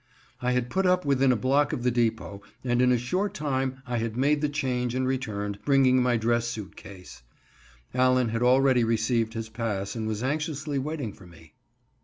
I had put up within a block of the depot, and in a short time I had made the change and returned, bringing my dress suit case. Allen had already received his pass and was anxiously waiting for me.